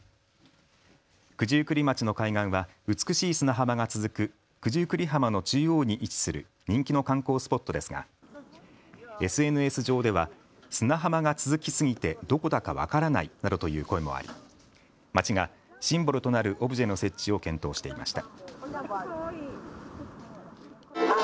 九十九里町の海岸は美しい砂浜が続く九十九里浜の中央に位置する人気の観光スポットですがＳＮＳ上では砂浜が続きすぎてどこだか分からないなどという声もあり町がシンボルとなるオブジェの設置を検討していました。